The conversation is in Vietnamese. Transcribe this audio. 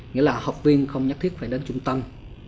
nghĩa là học viên không nhất thiết phải đến trung tâm